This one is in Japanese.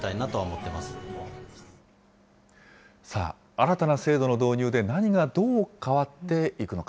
新たな制度の導入で、何がどう変わっていくのか。